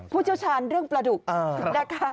พูดเจ้าชาญเรื่องประดุกนะคะ